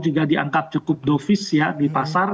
juga diangkat cukup dovis ya di pasar